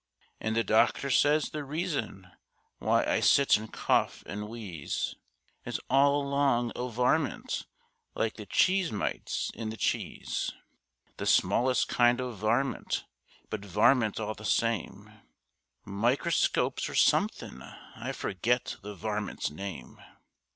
And the doctor says the reason why I sit an' cough an wheeze Is all along o' varmint, like the cheese mites in the cheese; The smallest kind o' varmint, but varmint all the same, Microscopes or somethin'—I forget the varmints' name.